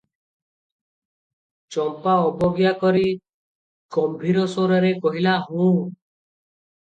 ଚମ୍ପା ଅବଜ୍ଞା କରି ଗମ୍ଭୀର ସ୍ୱରରେ କହିଲା, "ହୁଁ" ।